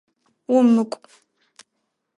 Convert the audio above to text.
Умыкӏу!